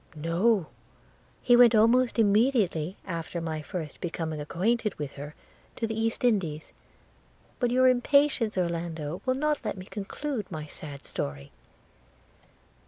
'No; he went almost immediately after my first becoming acquainted with her, to the East Indies – but your impatience, Orlando, will not let me conclude my sad story.